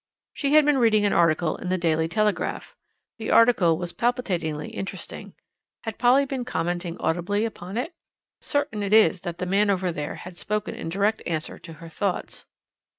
She had been reading an article in the Daily Telegraph. The article was palpitatingly interesting. Had Polly been commenting audibly upon it? Certain it is that the man over there had spoken in direct answer to her thoughts.